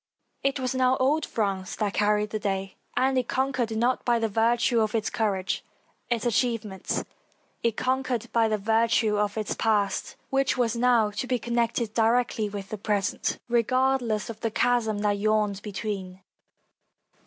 For it was now old France that carried the 353 FRANCE day. And it conquered, not by virtue of its courage, its achievements — it conquered by virtue of its past, which was now to be connected directly with the present, regardless of the chasm that yawned between.